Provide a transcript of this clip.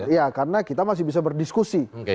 ya karena kita masih bisa berdiskusi